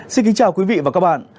xin kính chào quý vị và các bạn